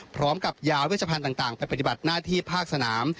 พร้อมกับยาววิชพานต่างไปปฏิบัติหน้าที่ภาครองค์สนาม